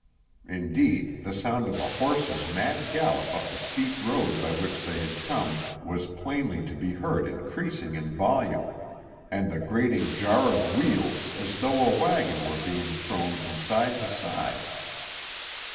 Indeed, the sound of a horse's mad gallop up the steep road by which they had come was plainly to be heard increasing in volume, and the grating jar of wheels as though a wagon were being thrown from side to side.